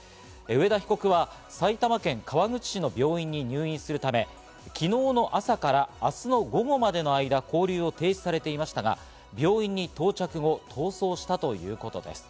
上田被告は埼玉県川口市の病院に入院するため、昨日の朝から明日の午後までの間、勾留を停止されていましたが、病院に到着後、逃走したということです。